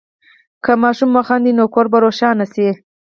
که ماشوم وخاندي، نو کور به روښانه شي.